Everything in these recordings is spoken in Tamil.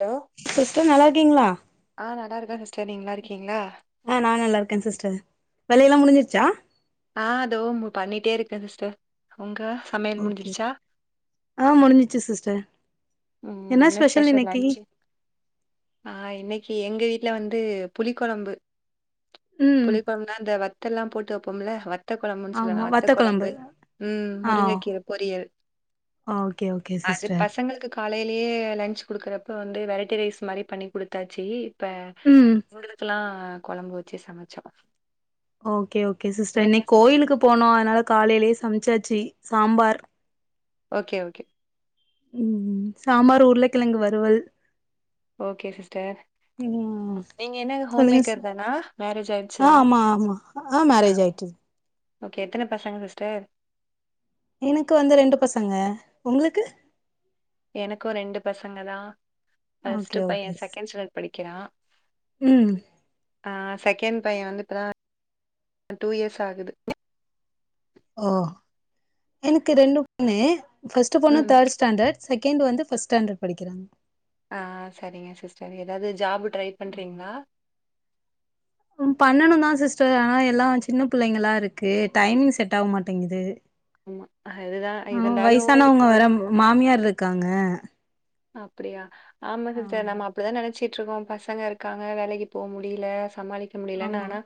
லோ சிஸ்டர் நால்லார்க்கீங்ளா ஆ நல்லா இருக்கே சிஸ்டர் நீங்க நல்லார்க்கீங்ளா ஆ நா நல்லார்க்கே சிஸ்டர் வேலையெல்லா முடிஞ்சிருச்சா ஆ இதோ உ பண்ணிட்டே இருக்கே சிஸ்டர் உங்க சமையல் ஓகே முடிஞ்சிருச்சா ஆ முடிஞ்சிச்சு சிஸ்டர் ம் என்னா என்ன ஸ்பெஷல் இன்னக்கி லன்ச்சு ஆ இன்னைக்கு எங்க வீட்ல வந்து புளி கொழம்பு ம் புளிக் கொழும்புனா அந்த வத்தல்லா போட்டு வப்போம்ல வ த்த கொழம்புன் சொல்லலா வத்த கொழம்பு ம் முருங்கக்கீர பொரியல் ஆ ஓகே ஓகே அது சிஸ்டர் பசங்களுக்கு காலையிலயே லன்ச் கொடுக்குறப்ப வந்து வெரைட்டி ரைஸ் மாரி பண்ணி் குடுத்தாச்சு இப்ப ம் [unintelligible] க்கெல்லா கொழம்பு வச்சு சமைச்சோ ஓகே ஓகே அங்க சிஸ்டர் என்ன இன்னைக் ஸ்பெஷல் கோயிலுக்கு போனோ அதனால காலைலே சம்ச்சாச்சு சாம்பார் ஓகே ஓகே ம் ம் சாம்பார் உருளைக்கிழங்கு வருவல் ஓகே சிஸ்டர் ம் நீங்க என்ன ஹோம் சொல்லுங்க சிஸ் மேக்கர் தானா மேரேஜ் ஆயிட்ச்சு ஆ தான ஆமா ஆமா ஆ மேரேஜ் ஆயிட்டு ஓகே எத்தன பசங்க சிஸ்டர் எனக்கு வந்து ரெண்டு பசங்க ஒங்ளுக்கு எனக்கு ரெண்டு பசங்க தா ஓகே ஃபர்ஸ்ட்டு பைய ஓகே சிஸ் செக்கேண்ட் ஸ்டாண்டர்ட் படிக்கிறா ம் ஆ செக்கேண்ட் பைய வந்து இப்பதா டூ இயர்ஸ் ஆகுது ஓ எனுக்கு ரெண்டு பண்ணு ஃபர்ஸ்ட்டு பொண்ணு ம் தேடு ஸ்டேண்டர் செக்கேண்ட் வந்து ஃபஸ் ஸாண்டர் பக்கிறாங்க அ சரிங்க சிஸ்டர் எதாது ஜாபுு ட்ரை பண்றீங்ளா பண்ணணுதா சிஸ்டர் ஆனா எல்லா சின்ன புள்ளைங்ளா இருக்கு டைமிங் செட் ஆவ்மாட்டேங்குது ஆமா அதுதா இருந்தாலு இப்ப வந் மாமியார்ருக்காங்க அப்புடியா ஆமா சிஸ்டர் நம்ம அப்படிதா நெனச்சிட்ருக்கோ பசங்க இருக்காங்க வேலைக்கு போ முடிய்ல சமாளிக் முடிய்லன் ஆமா. ஆனா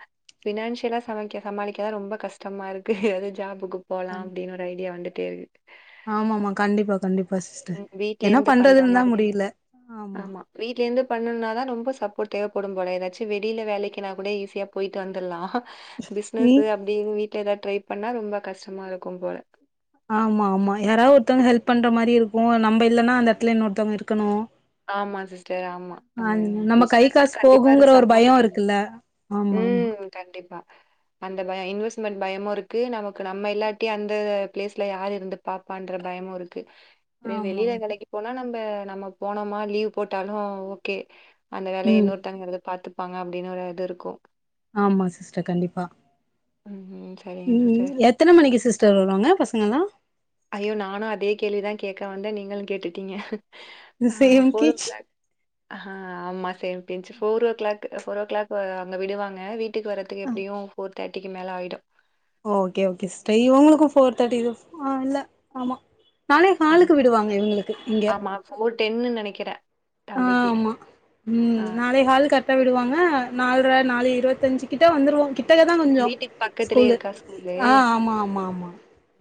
பபினான்ஷியலா சமைக்க சமாளிக்காதா ரொம்ப கஷ்ட்டமா இருக்கு எதாது ஜாபுக்கு போலா கண் அப்டின் ஒரு ஐடியா வந்துட்டேருக்கு ஆமாமா கண்டிப்பா கண்டிப்பா சிஸ்டர் வீட்ல என்னா இருந்து பண்றதுன்தா முடிய்ல ஆமா வீட்லேந்து பண்ணுன்னாதா ரொம்ப சப்போர்ட் தேவப்படும் போல எதாச்சு வெளில வேலைக்கினா கூட ஈஸ்யா போயிட்டு வந்துற்லா நீ பிஸ்னஸு அப்டின் வீட்ல எதா ட்ரை பண்ணா ரொம்ப கஸ்ட்டமா இருக்கும் போல ஆமா ஆமா யாராவ் ஒர்த்தங்க ஹெல்ப் பண்ற மாரி இருக்கு நம்ப இல்லனா அந்த எட்த்துல இன்னொர்த்தங்க இருக்கணு ஆமா சிஸ்டர் ஆமா அந்த நம்ம கை பிஸ்னஸ்க்கு காசு கண்டிப்பா ஒரு போகுங்கிற சப்போ்ட் பயம் வேண் இருக்குல்ல. ஆமாமா. ம் கண்டிப்பா அந்த பய இன்வெஸ்மெண்ட் பயமு இருக்கு நமக்கு நம்ம இல்லாட்டி அந்த ப்ளேஸ்ல யார் இருந்து பாப்பான்ற தயமு இருக்கு ரே வெளில ஆமாமா. வேலைக்கி போனா நம்ம நம்ம போனமா லீவ் போட்டாலு ஓகே அந்த வேலய ம். இன்னொருத்ங்க இருந்து பாத்துப்பாங்க அப்டின்னு ஒரு இது இருக்கு ஆமா சிஸ்டர் கண்டிப்பா ம் ம் சரிங்க சிஸ்டர். ம் எத்தன மணிக்கு சிஸ்டர் வருவாங்க பசங்கள்லா ஐயோ நானு அதே கேள்விதா கேக்க வந்த நீங்களு கேட்டுட்டீங்க அ சேம் ஃபோர் ஓ கேஜ் க்ளாக் ஹ ஆமா சேம் பின்ச்ஃபோர் o'clock four o'clock அங்க விடுவாங்க வீட் டுக் வரதுக் ஆ எப்டியு ஃபோர் தேட்டிக்கு மேலே ஆகிடு ஓகே ஓகே ஸ்ட இவ்ங்ளுக்கு ஃபோர் தேர்டிக் ஆ இல்ல ஆமா நாலே காலுக்கு விடுவாங்க இவ்ங்ளுக்கு இங்க ஃபோர் டன்னு நெனக்கிற அ ஆமா ம் நாலே ஹால் கட் ட் விடுவாங்க நாலுற நாலு இருவத்தஞ்சுகிட்ட வந்துருவோ டக தா கொஞ்சோ வீட்டுக்கு பக்கத்திலயே ஸ்கூலு இருக்கா ஸ்கூலு. அ ஆமா ஆமா ஆமா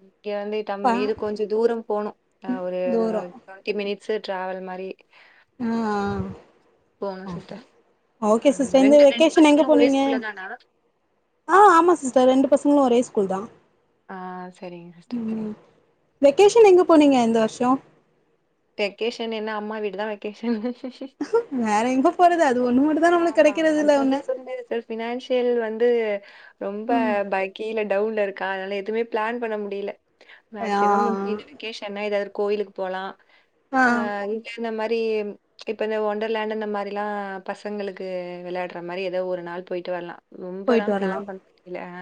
இங்க வந்துதம் பா இது கொஞ்ச தூரம் போணு அ ஒரு தூரோ டொன்டி மினிட்ஸு ட்ராவல் மாரி உ அ போணு சிஸ்டர் சிஸ்டர் இந்த ரெண்டு ரெண்டு வெக்கேஷன் எங்க பசங்களு ஒரே போனீங்க ஸ்கூல்ல தானா ஆ ஆம சிஸ்டர் ரெண்டு பசங்களு ஒரே ஸ்கூல் தா ஆ செரிங்க சிஸ்டர் செரி ம் வெக்கேஷன் எங்க போனீங்க எ இந்த வருஷோ வெக்கேஷன் என்ன அம்மா வீடு தா வெக்கேஷன் வேற எங்க போறது அது ஒண்ணு மட்டுந்தா நம்மளுக்கு கடைக்கிறது இல்ல ஒண்ணு ஃபினான்சியல் வந்து ரொம்ப ம் பய் கீலே டவுன்ல இருக்கா அதனால எதுவுமே பிளான் பண்ண முடியல ஆ மேக்சிமம் கீழே வெக்கேஷன்னா ஏதாவது கோயிலுக்கு போலா ஆ இந்த மாரி இப்ப இந்த ஒண்டர்லேண்ட் அந்த மாரி எல்லா பசங்களுக்கு விளையாடுற மாரி ஏதோ ஒரு நாள் போயிட்டு வரலா ரொம்ப எல்லா போயிட்டு வரலா பிளான் பண்ண முடியல ஆ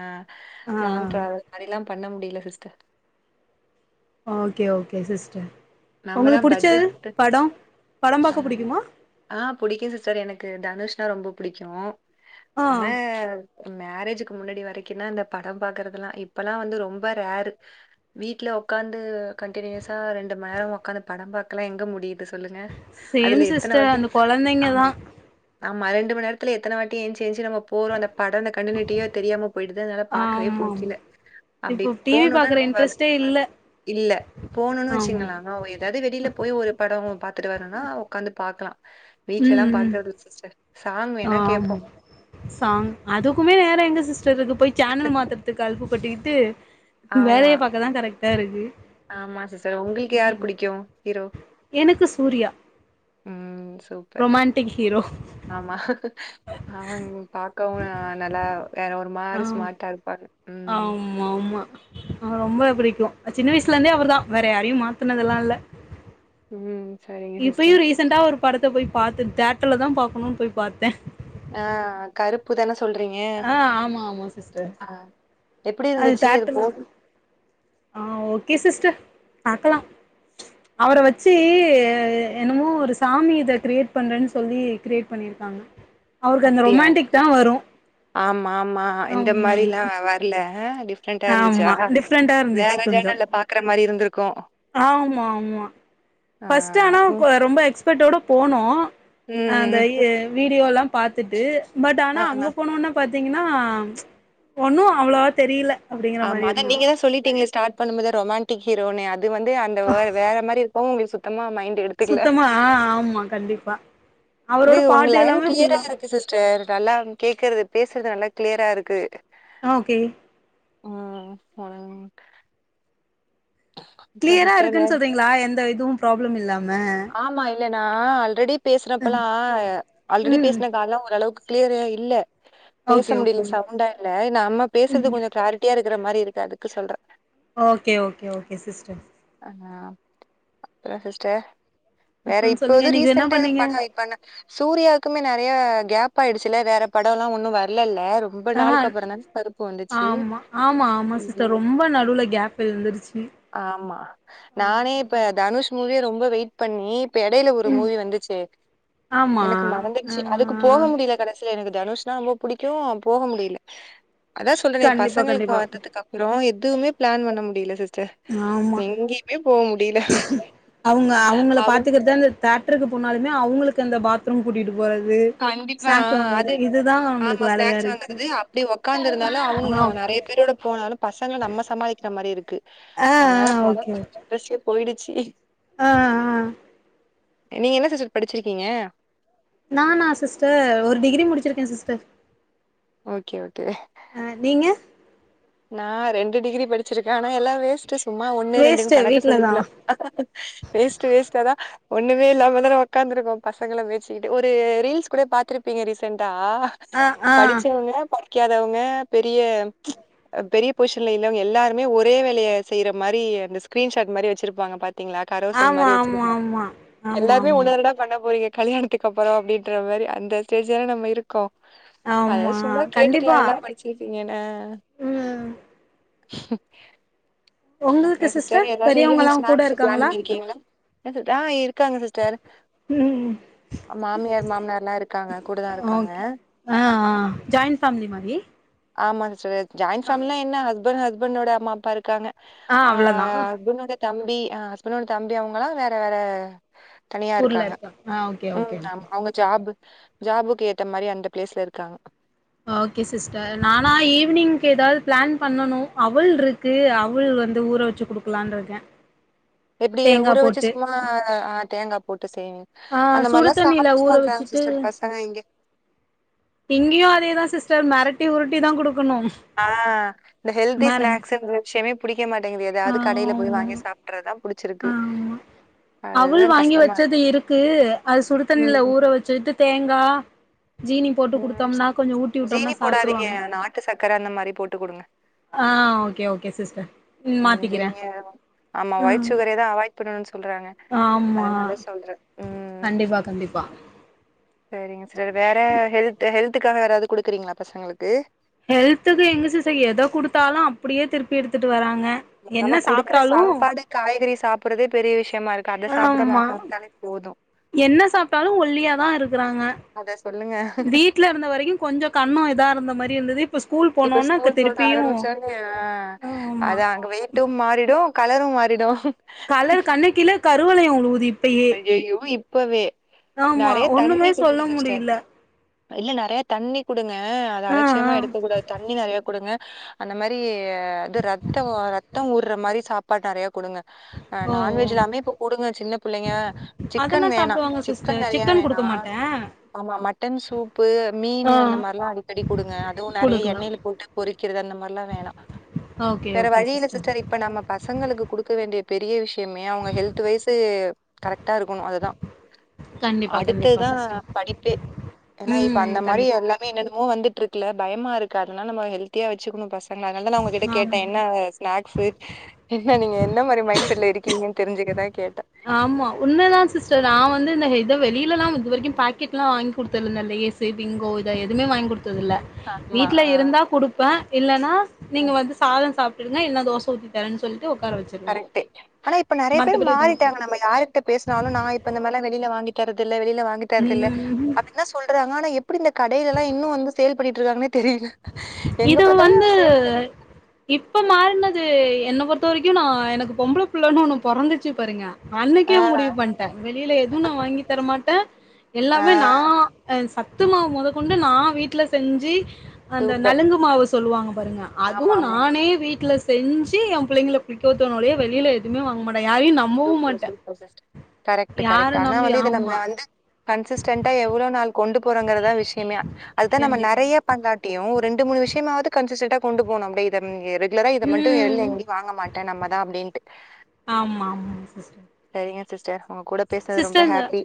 ஆ லாங் டிராவல் மாதிரிலா பண்ண முடியல சிஸ்டர் ஓக்கே ஓக்கே சிஸ்டர் நம்ம உங்களுக்கு தான் பிடிச்சது பட்ஜெட் போட்டு படம் படம் பாக்க பிடிக்குமா ஆ புடிக்கு சிஸ்டர் எனக்கு தனுஷ்னா ரொம்ப பிடிக்கு ஆ ஆனா மேரேஜுக்கு முன்னாடி வரைக்குன்தா இந்த படம் பாக்குறதெல்லா இப்பல்லா வந்து ரொம்ப ரேரு வீட்ல உட்காந்து கண்டினியூஸா ரெண்டு மணி நேரோ உக்காந்து படம் பாக்கலா எங்க முடியுது சொல்லுங்க சேம் அதுல எத்தன சிஸ்டர் வாட்டி அந்த கொழந்தைங்க ஆமா தா ஆமா ரெண்டு மணி நேரத்துல எத்தன வாட்டி எஞ்சு ஏஞ்சு நம்ம போற அந்த படம்ல கண்டினிட்டியா தெரியாம போயிடுது அதனால பாக்கவே ஆமா ஆமா புடிக்கல அப்படி இப்போ டிவி போணுனா பாக்குற இன்ட்ரெஸ்ட்டே இல்ல இல்ல போணுனா வெச் ஆமா ஆ ஏதாவது வெளியில போய் ஒரு படோ பாத்துட்டு வரனுன்னா உக்காந்து பாக்கலா வீட்டுலல்லா ம் ம் பாக்குறது இல்ல சிஸ்டர் சாங் வேணா ஆமா கேப்போம். சாங் அதுக்குமே நேர எங்க சிஸ்டர்க்கு போய் சேனல் மாத்துரதுக்கு அலுப்பு பட்டுக்கிட்டு ஆமா. வேலைய பாக்கதா கரெக்ட்டா இருக்கு ஆமா சிஸ்டர் உங்களுக்கு யார் பிடிக்கு ஹீரோ எனக்கு ம் சூப்பர். ரொமான்ட்டிக் ஹீரோ ஆமா ஆமாங்க பாக்கவு நல்லா வேற ஒரு மாரி ஸ்மார்ட்டா இருப்பாரு ஆம் ம்மாம்மா ஆமா அவ ரொம்ப பிடிக்கு சின்ன வயசுல இருருந்தே அவரு தா வேற யாரையு மாத்தனதுல்லா இல்ல ம் சரிங்க சிஸ்டர் ரீசன்ண்டா ஒரு படத்த போய் பாத்து தேட்டர்ல தா பாக்கணுனு போய் பாத்தே ஆ கருப்பு தானே சொல்றீங்க ஆ ஆமா சிஸ்டர் எப்படி இருந்துச்சு அது போகு ஆ ஓக்கே சிஸ்டர் பாக்கலா அவர வெச்சு என்னமோ ஒரு சாமி இத கிரியேட் பண்றேன்னு சொல்லி கிரியேட் பண்ணிருக்காங்க ஆ அப்படியா ஆமா ஆமா இந்த ஆமா மாரிலா வரல டிப் பிரன்டா இருந்துச்சா ஆமா டிஃப்ரெண்டா வேற இருந்துச்சு கொஞ்சோ ஜேனல்ல பாக்குற மாரி இருந்திருக்கு ஆமா ஆமா ஃபர்ஸ்ட்டு ஆனா ம். ரொம்ப எக்ஸ் அப்டேட்டோட போனோ அந்த ம். வீடியோல்லா பாத்துட்டு பட் ஆனா ஆ. அங்கே போனோன்னே பாத்தீங்கன்னா ஒன்னு அவ்வளவா தெரியல அப்படிங்கிற ஆமா மாரி அதா இருந்தது நீங்க தா சொல்லிட்டீங்களே ஸார்ட் பண்ணும் போதே ரொமாண்டிக் ஹீரோன்னு அது அது வந்து அந்த வே வேற மாதிரி இருக்கு உங்களுக்கு சுத்தமா மைண்ட் எடுத்துக்கல சுத்தமா ஆ ஆமா கண்டிப்பா இது அவரோட உங்க பாட்டு லைன் எல்லாமே கிளியரா ஃபுல்லா இருக்கு சிஸ் டர் ச நல்லா கேக்குரது பேசுறது நல்லா கிளியரா இருக்கு ஆ ஓகே ஆ [unintelligible] கிளியரா சிஸ்டர் வேற இருக்குன் சொல்றீங்களா எந்த இதுவு ப்ராப்ளம் இல்லாம ஆமா இல்லனா ஆல்ரெடி பேசுறப்பலா ஆல்ரெடி ம் பேசுன கால்லா ஓரளவுக்கு கிளியரே இல்ல ஓகே பேச முடியல ஓகே சவுண்டா இல்ல நம்ம பேசுறது கொஞ்சோ கிளாரிட் டியா இருக்குற மாரி இருக்கு அதுக்கு சொல்ற ஓகே ஓகே ஓகே சிஸ்டர்ஸ் ஆ அப்பறோ சிஸ்டர் வேற அப்றோ இப்ப சொல்லுங்க எது இன்னைக்கு என்ன ரீசண்டா எது பண்ணீங்க பண்ணவை பண்ண சூர்யாவுக்குமே நெறையா கேப் ஆயிடுச்சுல வேற படோல்லா ஒன்னு வரலல்ல ரொம்ப ஆஹா நாளுக்கப்பறோந்தான்ஸ் கருப்பு வந்துச்சி ஆமா ஆமா ஆமா சிஸ்டர் ரொம்ப நடுவுல கேப் விழுந்துருச்சு ஆமா நானே இப்ப தனுஷ் மூவியே ரொம்ப வெயிட் பண்ணி இப்ப எடையில ஒரு மூவி வந்துச்சே ஆமா எனக்கு ஆ மறந்துட்ச்சி அதுக்குப் போக முடியல கடைசில எனக்கு தனுஷ்னா ரொம்ப புடிக்கு போக முடியல அதா சொல்றனே கண்டிப்பா பசங்களுக்கு கண்டிப்பா வாத்ததுக்கப்பறோ எதுவுமே பிளான் பண்ண முடியல சிஸ் டர் ஆமா எங்கயுமே போக முடியலெ அவுங்க அவுங்கள பாத்துக்குறது அந்த தேட்ருக்கு போனாலுமே அவுங்களுக்கு அந்த பாத் த்ரூம் கூட்டிட்டு போறது கண்டிப்பா ஸ்நாக்ஸ் அது வாங்குறது இதுதா ஆமா நம்ளுக்கு வேலையா ஸ்நாக்ஸ் இருக்கு வாங்குறது அப்டி ஒக்காந்துருந்தாலு அவங்க ஆ நெறைய பீரோட போனாலு பசங்ள நம்ம சமாளிக்கிற மாரி இருக்கு ஆ அதனாலதா ஆ ஓகே போலப்பா இன்ட்ரெஸ்ட்டே போயிடுச்சி ஆ ஆ நீங்க என்ன சிஸ்டர் படிச்சிருக்கீங்க நானா சிஸ்டர் ஒரு டிகிரி முடிச்சிருக்கே சிஸ்டர் ஓகே ஓகே ஆ நீங்க நான் ரெண்டு டிகிரி படிச்சிருக்கே ஆனா எல்லா வேஸ்ட்டு சும்மா ஒண்ணு ரெண்டுன் வேஸ்ட்டு கணக்கு வீட்லதா சொல்லிக்கலா வேஸ்ட்டு வேஸ்ட்டு அதா ஒண்ணுமே இல்லாம தான ஒக்காந்துருக்கோ பசங்கள மேச்சிகிட்டு ஒரு ரீல்ஸ் கூடை பாத்துருப்பீங்க ரீசன்டா ஆ ஆ படிச்சவங்க படிக்காதவங்க பெரிய பெரிய பொசிஷன்ல இல்லவங்க எல்லாருமே ஒரே வேலைய செய்ற மாரி அந்த ஸ்கிரீன்ஷாட் மாரி வச்சிருப்பாங்க பாத்தீங்களா கரோசல் ஆமா மாரி ஆமா வச்சிருக்கலா ஆமா ஆமா எல்லாருமே ஆமா ஒன்னதானடா பண்ண போறீங்க கல்யாணத்துக்கப்பறோ அப்டின்ற மாரி அந்த ஸ்டேஜ்லதா நம்ம இருக் கோ அதா ஆமா சும்மா கேட்டுக்கலா கண்டிப்பா என்ன படிச்சிருக்கீங்கனு ஆ ம் உங்களுக்கு அப்றோ சிஸ்டர் ஏதாவது ஈவினிங் பெரியவங்கல்லா கூட ஸ்நாக்ஸு பிளான் இருக்காங்களா பண்ணிருக்கீங்களா ஆ இருக்காங்க சிஸ்டர் ம் மாமியார் மாமானார்லா இருக்காங்க கூடதா இருக்காங்க அ ஃபேம்லி மாறி ஆமா சிஸ்டர் ஜாயின் ஃபேமிலினா என்ன ஹஸ்பண் ஹஸ்பண்டோட அம்மா அப்பா இருக்காங்க ஆ எ ஹஸ்பனோட தம்பி அ ஹஸ்பனோட தம்பி அவங்கலா வேற வேற தனியா ஊர்ல இருக்காங்க இருக்கே ஆ ஓகே ம் ஓகே ஆமா ஓகே அவங்க ஜாபு ஜாபுக் ஏத்தமாரி அந்த பிளேஸ்ல இருக்காங்க ஓகே சிஸ்டர் நானா ஈவினிங்க் எதாவது பிளான் பண்ணனு அவுல்ருக் கு அவுல் வந்து ஊற வச்சி குடுக்கலான்ட்ருக்கே எப்டி ஊற வச்சு சும்மா ஆ தேங்கா போட்டு செய்வீங் ஆ அந்த சுடு மாரிலா தண்ணில சாப்ட ஊற மாட்றாங்க வச்சுட்டு சிஸ்டர் பசங்க இங்க இங்கியு அதேதா சிஸ்டர் மெரட்டி உருட்டி தா குடுக்கணு ஆ இந்த ஹெல்தி மெர ஸ்நாக்ஸ்ன்ற விஷயமே புடிக்க மாட்டிக்குது ஆ எதாவது கடையில போய் வாங்கி சாப்ட்றதுதா புடிச்சிருக்கு அவுல் அதுதான் வாங்கி கஷ்டமா வச்சது இருக்கு அது சுடுத்தண்ணில ம். ஊற வச்சுட்டு தேங்கா ஜீனி போட்டு ம். குடுத்தோம்னா கொஞ்சோ ஊட்டி விட்டோம்னா ஜீனி போடாதீங்க. சாப்ட்ருவாங்க நாட்டு சர்க்கரை அந்த மாரி போட்டு குடுங்க. ஆ ஓகே ஓகே சிஸ்டர் ஆ ம். மாத்திக்கிற ஜீனிய ம் பண்ணனு சொல்றாங்க ஆமா அதனால சொல்றேன். ம். கண்டிப்பா கண்டிப்பா சரிங்க சிஸ்டர் வேற ஹெல்த் ஹெல்த்துக்காக வேறாவது கொடுக்குறீங்களா பசங்களுக்கு ஹெல்த்துக்கு எங்க சிசர் எத குடுத்தாலு அப்டியே திருப்பி எடுத்துட்டு வராங்க நம்ம என்ன குடுக்குற சாப்ட்டாலு சாப்பாடு, காய்கறி சாப்பட்றதே பெரிய விஷயமா இருக்கு அத சாப்ட ஆமா சாப்ட்டாலே போது என்ன சாப்டாலு ஒல்லியாதா இருக்கறாங்க அத சொல்லுங்க. வீட் வீட்ல இருந்த வரைக்கு கொஞ்ச கன்னோ இதா இருந்த மாரி இருந்தது இப்ப ஸ்கூல் இப்ப போனோன க ஸ்கூல் போக திருப்பியு ஆரம்பிச்சோனே ஆ ஆமா அது அங்க வெயில் டு மாறிடு கலரு மாறிடு கலர் கண்ணுக்கீழ கருவளையம் உழுவுது இப்பயே ஐயோ இப்பவே ஆமா நெறைய தண்ணி ஒண்ணுமே சொல்ல குடுங்க சிஸ்டர் முடில இல்ல நெறையா தண்ணி கொடுங்க அது ஆ அலட்சியமா ஆ எடுக்க கூடாது தண்ணி நெறைய கொடுங்க அந்த மாரி அது ரத்தோ ரத்தோ ஊர்ற மாரி சாப்பாடு நெறைய கொடுங்க ஆ ஓ ஓ நான்வெஜ் எல்லாமே இப்ப போடுங்க சின்ன பிள்ளைங்க சிக்கன் அதெல்லா வேணா சாப்டுவாங்க சிக்கன் சிஸ்டர் நெறைய வேணா குடுக்க மாட்டே ஆமா மட்டன் சூப்பு ஆ மீனு அந்த மாரில்லா அடிக்கடி குடுங்க அதுவு நெறைய குடுக்கலா எண்ணெயில போட்டு பொறிக்கிறது அந்த மாரில்லா வேணா ஓகே வேற ஓகே வழியில்ல சிஸடர் சிஸ்டர் இப்ப நம்ம பசங்களுக்கு குடுக்க வேண்டிய பெரிய விஷயமே அவங்க ஹெல்த் வைஸு கரெக்டா இருக்கணு அது தா கண்டிப்பா கண்டிப்பா அடுத்ததுதா சிஸ்டர் படிப்பே ஏன்னா இப்ப ம் அந்த மாரி கண்டிப்பா எல்லாமே என்னன்னமோ வந்துட்டு இருக்குல பயமா இருக்கு அதனால நம்ம ஹெல்தியா வச்சுக்குனு பச அதனால தா உங்ககிட்ட கேட்ட ஆமா என்னவ நாக்ஸு என்ன நீங்க எந்த மாரி மைண்ட் செட்ல இருக்கீங்கன்னு தெரிஞ்சுக்கதா கேட்ட ஆமா உண்மதா சிஸ்டர் நா வந்து இந்த இந்த வெளியில லா இது வரைக்கு பாக்கெட்லா வாங்கி குடுத்தது இல்ல அந்த ஏசு பிங்கோ இத எதுமே வாங்கி குடுத்ததுல்ல ஆமா வீட்ல ஆ இருந்தா குடுப்ப இல்லன்னா நீங்க வந்து சாதம் சாப்டுங்க இல்ல தோச ஊத்திதரன் சொல்ட்டு உக்கார வச்சு கரெக்ட்டு ஆனா இப்ப நெறைய பேரு குடுக்க மாறிட்டாங்க மாட்டேன். நம்ம யாரு பேசனாலு நா இப்ப இந்தமேரிலா வெளியில வாங்கி தரதுல்ல வெளில வாங்கி தரதுல்ல ம். அப் என்ன சொல்றாங்க ஆனா எப்டி இந்த கடைலெல்லா இன்னு வந்து சேல்பண்ணிட்டு இருக்காங்கன்னே தெரில இது வந்து இப்ப மாறுனது என்ன பொறுத்த வரைக்கு நா எனக்கு பொம்பள புள்ளன்னு ஒன்னு பொறந்துச்சு பாருங்க ஆ அன்னைக்கே முடிவு பண்ட்ட வெளியில எதுவு நா வாங்கி தரமாட்ட ஆ எல்லாமே நா அ சத்துமாவு மொதகொண்டு நா வீட்ல செஞ்சு அந்த சூப்பர் நலங்கு மாவு சொல்லுவாங்க பாருங்க அதுவு ஆமா ஆமா நானே வீட்ல செஞ்சு எ புள்ளைகள குளிக்கோத்தனோலே வெளிய எதுமே வாங்க மாட்டா யாரையு நம் கரெக்ட்டு யார கரெக்ட்டு ஆனா நம்பி வந்து நம்ம ஆமா வந்து கன்சிஸ்டன்ட்டா எவ்ளோ நாள் கொண்டு போறாங்கறதா விஷ்யமே அதுதா நம்ம கண்டிப்பா நெறய பண்ணாட்டியு ஒர் ரெண்டு மூணு விஷ்யமாவுது கன்சிஸ்ட்டன்டா கொண்டு போணு அப்டே இத ரெகுலரா இத மட்டு வேல்ல ம் எங்கி வாங்க மாட்டே நம்மதா அப்டின்ட்டு ஆம்மா ஆம்மா சிஸ்டர் செரிங்க சிஸ்டர் உங்க கூட பேஸ்னது ரொம்ப சிஸ்டர் இந்த ஹாப்பி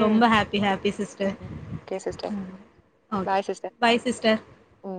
ம் ரொம்ப happy happy sister okay sister ம் okay bye sister bye sister ம்